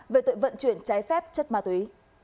về tội vận chuyển trái phép chất ma túy